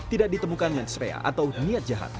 tidak ditemukan mensrea atau niat jahat